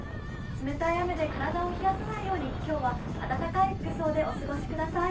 冷たい雨で体を冷やさないように、今日は暖かい服装でお過ごしください。